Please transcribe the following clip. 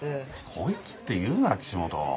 こいつって言うな岸本。